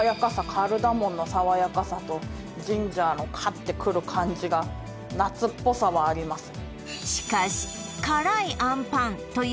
カルダモンのさわやかさとジンジャーのカッてくる感じが夏っぽさはあります